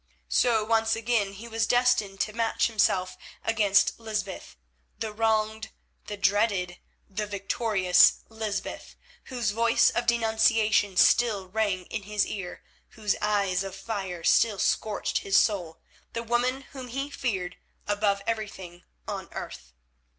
So once again he was destined to match himself against Lysbeth—the wronged, the dreaded, the victorious Lysbeth, whose voice of denunciation still rang in his ear, whose eyes of fire still scorched his soul, the woman whom he feared above everything on earth.